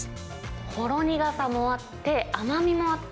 ほろ苦さもあって、甘みもあって、